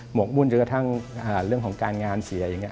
กมุ่นจนกระทั่งเรื่องของการงานเสียอย่างนี้